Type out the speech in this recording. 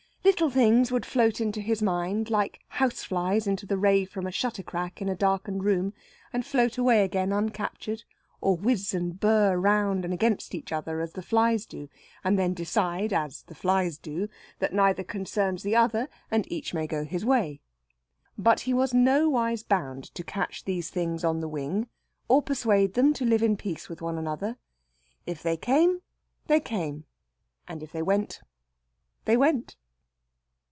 Little things would float into his mind, like house flies into the ray from a shutter crack in a darkened room, and float away again uncaptured, or whizz and burr round and against each other as the flies do, and then decide as the flies do that neither concerns the other and each may go his way. But he was nowise bound to catch these things on the wing, or persuade them to live in peace with one another. If they came, they came; and if they went, they went.